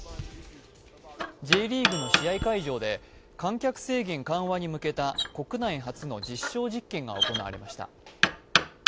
Ｊリーグの試合会場で観客制限緩和に向けた国内初の実証実験が行われました。